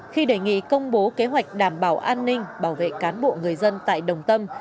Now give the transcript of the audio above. khi đề nghị công bố kế hoạch đảm bảo an ninh bảo vệ cán bộ người dân tại đồng tâm